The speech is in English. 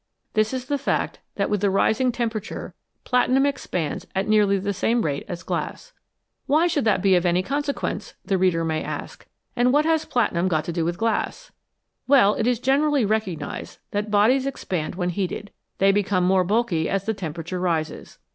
This is the fact that with rising tem perature platinum expands at nearly the same rate as glass. Why should that be of any consequence ? the 68 METALS, COMMON AND UNCOMMON reader may ask, and what has platinum got to do with glass ? Well, it is generally recognised that bodies expand when heated they become more bulky as the temperature rises.